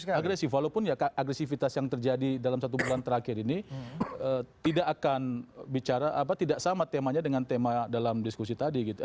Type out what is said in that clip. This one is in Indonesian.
agresif walaupun ya agresivitas yang terjadi dalam satu bulan terakhir ini tidak akan bicara apa tidak sama temanya dengan tema dalam diskusi tadi gitu